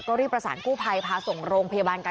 ก็รีบประสานกู้ภัยพาส่งโรงพยาบาลกัน